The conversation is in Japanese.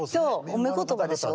褒め言葉でしょ？